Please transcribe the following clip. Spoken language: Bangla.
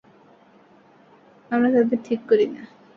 আমরা তাদের ঠিক করি না।